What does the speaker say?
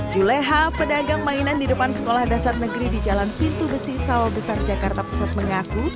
juleha pedagang mainan di depan sekolah dasar negeri di jalan pintu besi sawah besar jakarta pusat mengaku